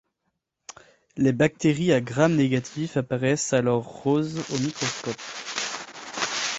Les bactéries à Gram négatif apparaissent alors roses au microscope.